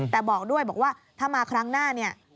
แต่บอกด้วยว่าถ้ามาครั้งหน้า